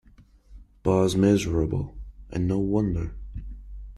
Pa's miserable, and no wonder!